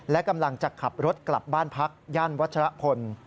และกำลังจะขับรถกลับบ้านพักย่านวัชรพล